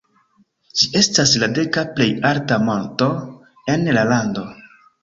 Ĝi estas la deka plej alta monto en la lando.